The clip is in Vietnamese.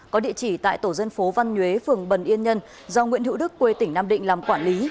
có địa chỉ tại tổ dân phố văn nhuế phường bần yên nhân do nguyễn hữu đức quê tỉnh nam định làm quản lý